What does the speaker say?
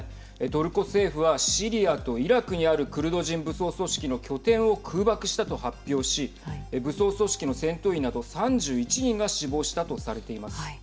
トルコ政府はシリアとイラクにあるクルド人武装組織の拠点を空爆したと発表し武装組織の戦闘員など３１人が死亡したとされています。